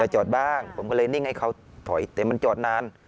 จอดบ้างผมก็เลยนิ่งให้เขาถอยแต่มันจอดนาน